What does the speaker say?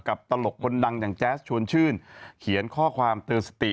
ตลกคนดังอย่างแจ๊สชวนชื่นเขียนข้อความเตือนสติ